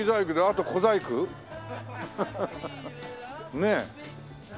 ねえ。